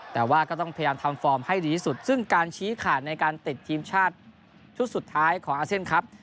แต่ว่าก็ต้องพยายามทำฟอร์มให้ดีที่สุดซึ่งการชี้ขาดในการติดทีมชาติชุดสุดท้ายของอาเซียนครับ